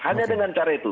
hanya dengan cara itu